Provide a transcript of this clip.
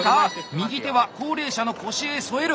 右手は高齢者の腰へ添える！